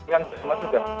yang semua juga